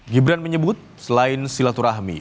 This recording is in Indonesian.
gibran menyebut selain silaturahmi